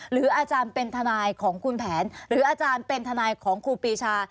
หรืออาจารย์เป็นทนายของคุณแผนหรืออาจารย์เป็นทนายของครูปีชา